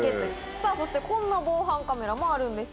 さぁそしてこんな防犯カメラもあるんです。